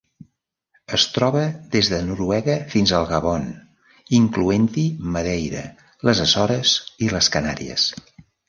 Es troba des de Noruega fins al Gabon, incloent-hi Madeira, les Açores i les Canàries.